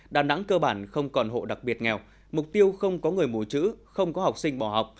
đà nẵng cơ bản không còn hộ đặc biệt nghèo mục tiêu không có người mù chữ không có học sinh bỏ học